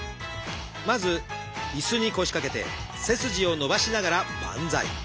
まず椅子に腰掛けて背筋を伸ばしながらバンザイ。